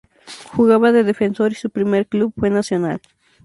Jugaba de defensor y su primer club fue Nacional.